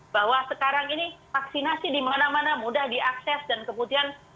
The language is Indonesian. bahwa sekarang ini vaksinasi di mana mana mudah diakses dan kemudian